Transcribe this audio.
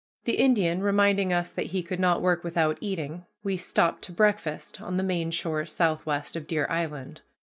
The Indian reminding us that he could not work without eating, we stopped to breakfast on the main shore southwest of Deer Island.